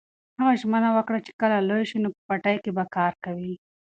هغه ژمنه وکړه چې کله لوی شي نو په پټي کې به کار کوي.